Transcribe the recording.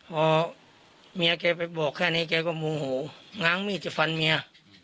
พอเมียแกไปบอกแค่นี้แกก็โมโหง้างมีดจะฟันเมีย